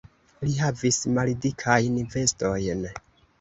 Li havis maldikajn vestojn.